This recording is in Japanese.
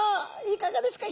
いかがですか？